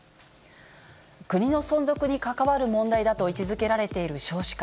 国の存続に関わる問題だと位置づけられている少子化。